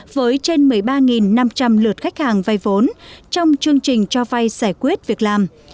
với trên một mươi ba năm trăm linh lượt khách hàng vay vốn trong chương trình cho vay giải quyết việc làm